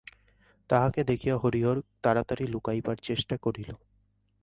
তাহাকে দেখিয়া হরিহর তাড়াতাড়ি লুকাইবার চেষ্টা করিল।